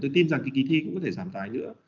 tôi tin rằng cái kỳ thi cũng có thể giảm tài nữa